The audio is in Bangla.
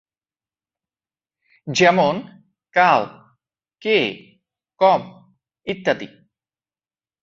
যেমন "কাল", "কে", "কম" ইত্যাদি।